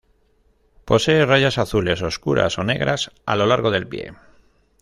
Posee rayas azules oscuras o negras a lo largo del pie.